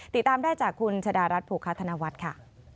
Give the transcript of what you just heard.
ติดตามได้จากคุณชะดารัฐโภคาธนวัฒน์ค่ะ